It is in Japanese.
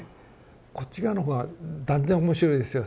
こっち側の方が断然面白いですよ